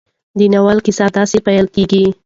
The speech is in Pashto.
د ناول کیسه داسې پيلېږي.